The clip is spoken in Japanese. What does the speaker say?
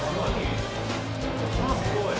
・すごい！